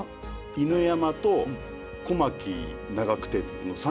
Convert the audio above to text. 犬山と小牧長久手の３か所。